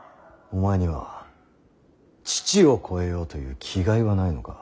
お前には父を超えようという気概はないのか。